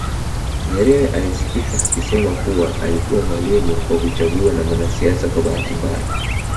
Nyerere alisikika akisema kuwa alikuwa mwalimu kwa kuchagua na mwanasiasa kwa bahati mbaya